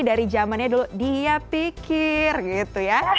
dari zamannya dulu dia pikir gitu ya